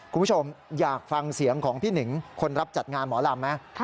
คุณผู้ชมอยากฟังเสียงของพี่หนิงคนรับจัดงานหมอลำไหม